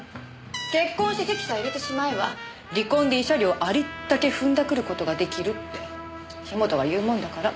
結婚して籍さえ入れてしまえば離婚で慰謝料ありったけふんだくる事が出来るって樋本が言うもんだから。